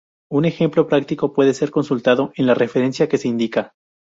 Un ejemplo práctico puede ser consultado en la referencia que se indica.